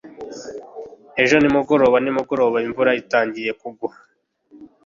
ejo nimugoroba nimugoroba imvura itangiye kugwa